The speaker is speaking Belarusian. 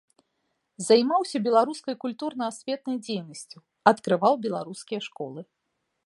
Займаўся беларускай культурна-асветнай дзейнасцю, адкрываў беларускія школы.